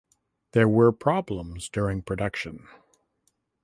There were problems during production.